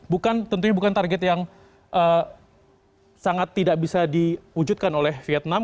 bukan tentunya bukan target yang sangat tidak bisa diwujudkan oleh vietnam